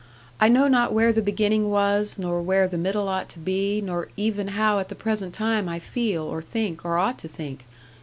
I know not where the beginning was, nor where the middle ought to be, nor even how at the present time I feel, or think, or ought to think.